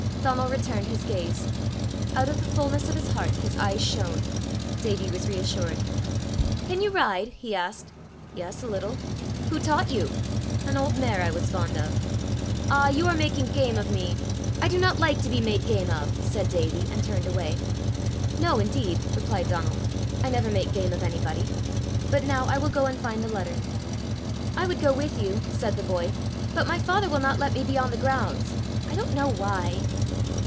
Donal returned his gaze. Out of the fullness of his heart his eyes shone. Davie was reassured. "Can you ride?" he asked. "Yes, a little." "Who taught you?" "An old mare I was fond of." "Ah, you are making game of me! I do not like to be made game of," said Davie, and turned away. "No indeed," replied Donal. "I never make game of anybody. But now I will go and find the letter." "I would go with you," said the boy, "but my father will not let me beyond the grounds. I don't know why."